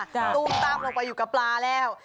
ตุ้มต้ามลงไปกับปลาแล้ว